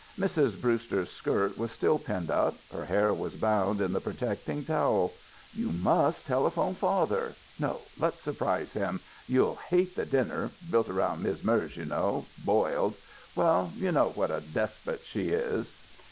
Mrs. Brewster's skirt was still pinned up. Her hair was bound in the protecting towel. "You must telephone father. No, let's surprise him. You'll hate the dinner built around Miz' Merz; you know boiled. Well, you know what a despot she is."